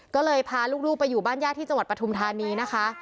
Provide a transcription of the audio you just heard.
ก็เลยพาลูกไปอยู่บ้านญาติที่จังหวัดปฐุมธานีนะคะ